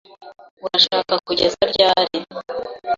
Urashaka kugeza ryari?